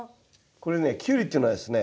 これねキュウリっていうのはですね